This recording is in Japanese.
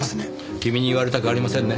君に言われたくありませんね。